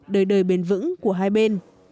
đời đời bền vững của hai bên